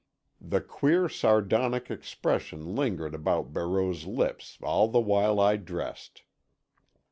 The queer sardonic expression lingered about Barreau's lips all the while I dressed.